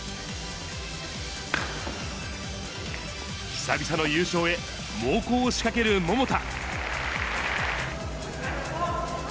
久々の優勝へ、猛攻を仕掛ける桃田。